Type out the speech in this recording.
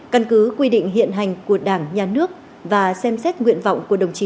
căn cứ quy định hiện hành của đảng nhà nước và xem xét nguyện vọng của đồng chí